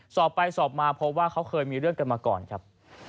สอบไปสอบมาพบว่าเขาเคยมีเรื่องกันมาก่อนครับ